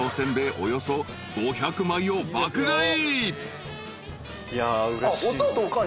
およそ５００枚を爆買い］